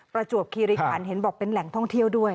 ประจวบคิริคันเห็นบอกเป็นแหล่งท่องเที่ยวด้วย